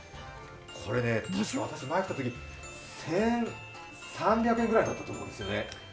これ確か私前来たときに１３００円くらいだったと思うんですよね。